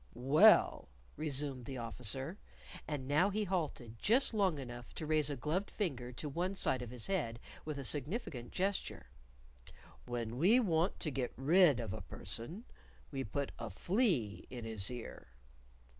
"Well," resumed the Officer and now he halted just long enough to raise a gloved finger to one side of his head with a significant gesture "when we want to get rid of a person, we put a flea in his ear."